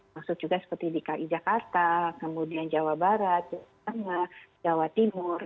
maksud juga seperti di kri jakarta kemudian jawa barat jawa timur